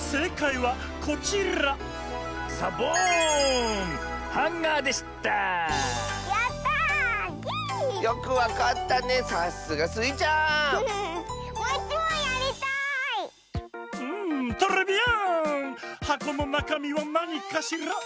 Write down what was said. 「はこのなかみはなにかしら？」